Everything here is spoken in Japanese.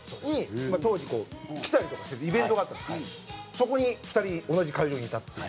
そこに２人同じ会場にいたっていう。